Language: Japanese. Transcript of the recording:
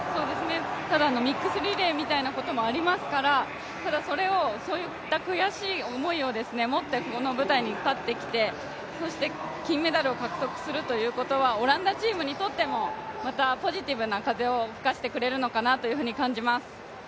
ただミックスリレーみたいなこともありますからそういった悔しい思いを持ってこの舞台に立ってきてそして金メダルを獲得するということはオランダチームにとってもまたポジティブな風を吹かせてくれるのかなと感じます。